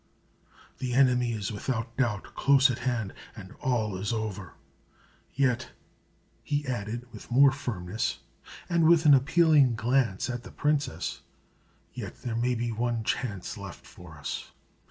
The enemy is without doubt close at hand, and all is over. Yet," he added with more firmness, and with an appealing glance at the princess, "yet there may be one chance left for us.